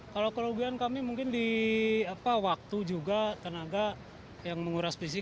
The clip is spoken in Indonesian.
kalau kelebihan kami mungkin di waktu juga tenaga yang menguras fisik